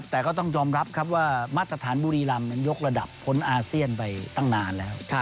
แต่ก็ต้องยอมรับครับว่ามาตรฐานบุรีรำยกระดับพ้นอาเซียนไปตั้งนานแล้ว